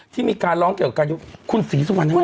ที่มีการร้องเกี่ยวกับการยุบคุณศรีสุวรรณทำไม